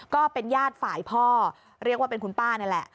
ก็เป็นญาติฝ่ายพ่อเรียกว่าเป็นคุณป้านี่แหละ